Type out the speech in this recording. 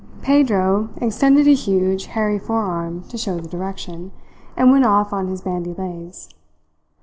Pedro extended a huge, hairy forearm to show the direction, and went off on his bandy legs.